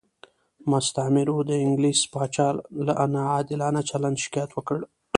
مستعمرو د انګلیس پاچا له ناعادلانه چلند شکایت وکړ.